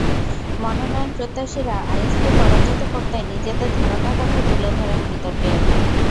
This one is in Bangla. মনোনয়ন প্রত্যাশীরা আইএসকে পরাজিত করতে নিজেদের ধারণার কথা তুলে ধরেন বিতর্কে।